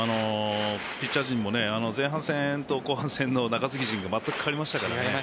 ピッチャー陣も前半戦と後半戦の中継ぎ陣がまったく変わりましたからね。